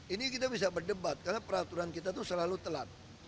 ini kita bisa berdebat karena peraturan kita itu selalu telat